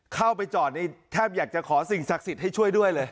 เข้าไปจอดนี่แทบอยากจะขอสิ่งศักดิ์สิทธิ์ให้ช่วยด้วยเลย